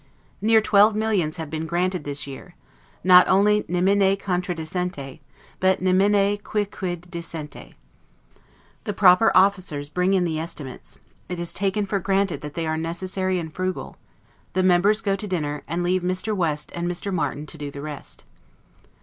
Near twelve millions have been granted this year, not only 'nemine contradicente', but, 'nemine quicquid dicente'. The proper officers bring in the estimates; it is taken for granted that they are necessary and frugal; the members go to dinner; and leave Mr. West and Mr. Martin to do the rest.